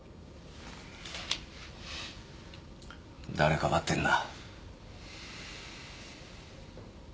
誰かばってんだ？